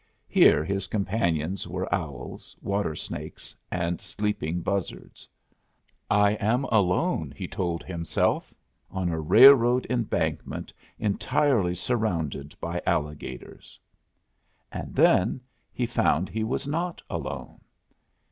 Here his companions were owls, water snakes, and sleeping buzzards. "I am alone," he told himself, "on a railroad embankment, entirely surrounded by alligators." And then he found he was not alone.